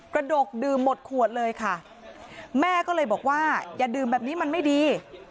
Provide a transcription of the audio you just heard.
ดกดื่มหมดขวดเลยค่ะแม่ก็เลยบอกว่าอย่าดื่มแบบนี้มันไม่ดี